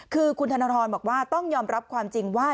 คือคุณธนทรบอกว่าต้องยอมรับความจริงว่า